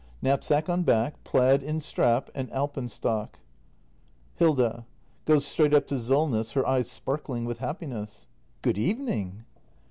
Knapsack on back, plaid in strap, and alpenstock. Hilda. [Goes straight up to Solness, her eyes sparkling with happiness.] Good evening!